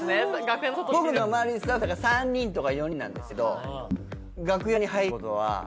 僕の周りにスタッフ３人とか４人なんですけど楽屋に入ることは。